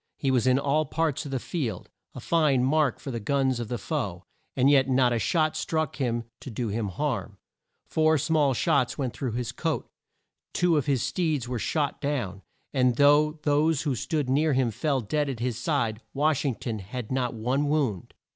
He was in all parts of the field, a fine mark for the guns of the foe, and yet not a shot struck him to do him harm. Four small shots went through his coat. Two of his steeds were shot down; and though those who stood near him fell dead at his side, Wash ing ton had not one wound.